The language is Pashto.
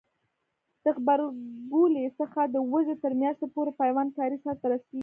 د غبرګولي څخه د وږي تر میاشتې پورې پیوند کاری سرته رسیږي.